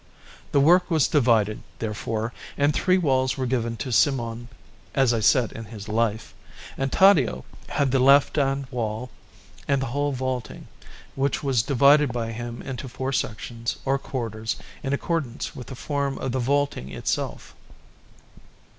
The work was divided, therefore, and three walls were given to Simone, as I said in his Life, and Taddeo had the left hand wall and the whole vaulting, which was divided by him into four sections or quarters in accordance with the form of the vaulting itself.